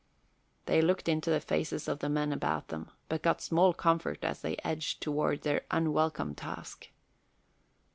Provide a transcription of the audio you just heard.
They looked into the faces of the men about them, but got small comfort as they edged toward their unwelcome task.